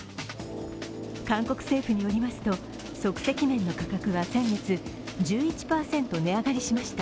韓国政府によりますと即席麺の価格は先月１１％値上がりしました。